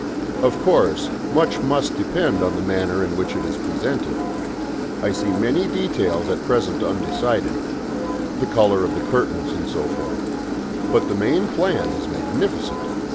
Of course much must depend on the manner in which it is presented. I see many details at present undecided the colour of the curtains, and so forth. But the main plan is magnificent.